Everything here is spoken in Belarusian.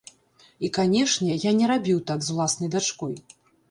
І, канечне, я не рабіў так з уласнай дачкой.